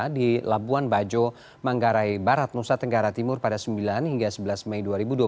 di labuan bajo manggarai barat nusa tenggara timur pada sembilan hingga sebelas mei dua ribu dua puluh